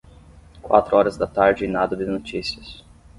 Quatro horas da tarde e nada de notícias.